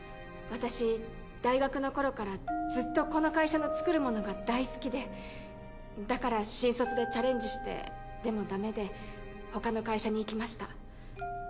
私大学のころからずっとこの会社の作るものが大好きでだから新卒でチャレンジしてでもだめで他の会社に行きました。